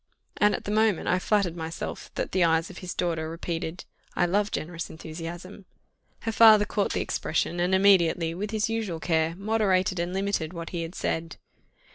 And at the moment I flattered myself that the eyes of his daughter repeated "I love generous enthusiasm," her father caught the expression, and immediately, with his usual care, moderated and limited what he had said.